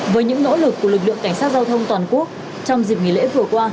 với những nỗ lực của lực lượng cảnh sát giao thông toàn quốc trong dịp nghỉ lễ vừa qua